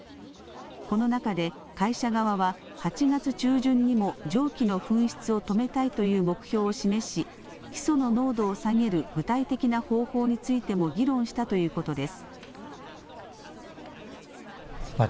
この中で会社側は、８月中旬にも蒸気の噴出を止めたいという目標を示し、ヒ素の濃度を下げる具体的な方法についても議論したということです。